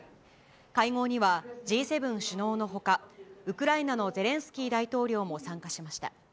会合には、Ｇ７首脳のほか、ウクライナのゼレンスキー大統領も参加しました。